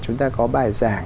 chúng ta có bài giảng